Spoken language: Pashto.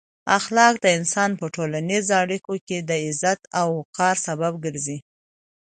اخلاق د انسان په ټولنیزو اړیکو کې د عزت او وقار سبب ګرځي.